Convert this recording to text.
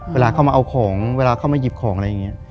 เวลาเข้ามาเอาของเวลาเข้ามาหยิบของอะไรอย่างนี้